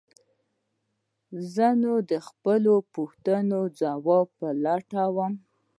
زه نو د خپلو پوښتنو د ځواب په لټه وم.